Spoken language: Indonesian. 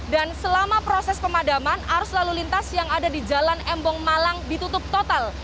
selama proses pemadaman arus lalu lintas yang ada di jalan embong malang ditutup total